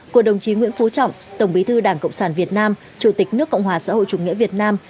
của đồng chí nguyễn phú trọng tổng bí thư đảng cộng sản việt nam chủ tịch nước cộng hòa xã hội chủ nghĩa việt nam